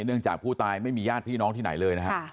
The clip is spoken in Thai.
เนื่องจากผู้ตายไม่มีญาติพี่น้องที่ไหนเลยนะฮะ